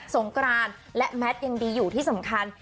งกรานและแมทยังดีอยู่ที่สำคัญ